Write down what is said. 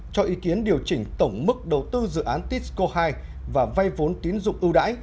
cho ý kiến điều chỉnh tổng mức đầu tư dự án tisco hai và vay vốn tín dụng ưu đãi